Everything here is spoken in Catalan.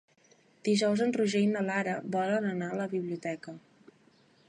Dijous en Roger i na Lara volen anar a la biblioteca.